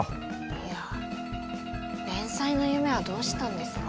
いやあ連載の夢はどうしたんですか？